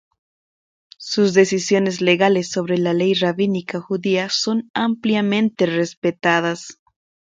Sus decisiones legales sobre la Ley rabínica judía son ampliamente respetadas.